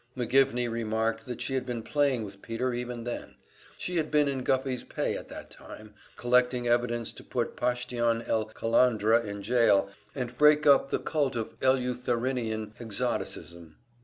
McGivney remarked that she had been playing with Peter even then she had been in Guffey's pay at that time, collecting evidence to put Pashtian el Kalandra in jail and break up the cult of Eleutherinian Exoticism.